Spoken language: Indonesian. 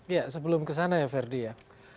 iya sebelum kesana ya ferdi ya